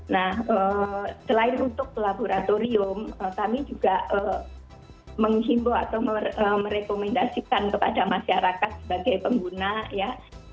nah selain untuk laboratorium kami juga menghimbau atau merekomendasikan kepada masyarakat sebagai pengguna ya